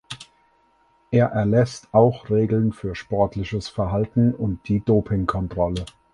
Er erlässt auch Regeln für sportliches Verhalten und die Dopingkontrolle.